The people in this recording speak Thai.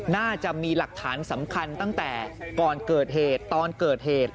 น่าจะมีหลักฐานสำคัญตั้งแต่ก่อนเกิดเหตุตอนเกิดเหตุ